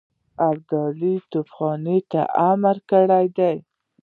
ابدالي توپخانې ته امر کړی دی.